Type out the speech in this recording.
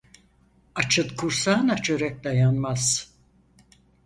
Açın kursağına çörek dayanmaz.